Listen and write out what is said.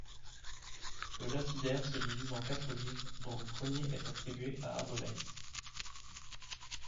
Le Lapidaire se divise en quatre livres, dont le premier est attribué à Abolays.